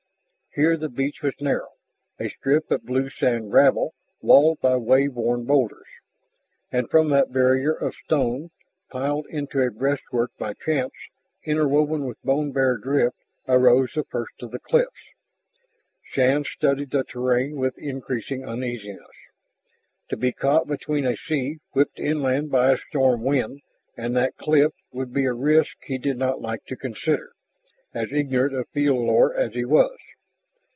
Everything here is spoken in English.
Here the beach was narrow, a strip of blue sand gravel walled by wave worn boulders. And from that barrier of stones piled into a breastwork by chance, interwoven with bone bare drift, arose the first of the cliffs. Shann studied the terrain with increasing uneasiness. To be caught between a sea, whipped inland by a storm wind, and that cliff would be a risk he did not like to consider, as ignorant of field lore as he was.